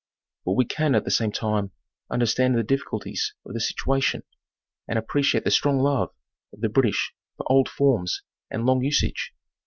But we can at the same time understand the difficulties of the situation, and appreciate the strong love of the British for old forms and long usage.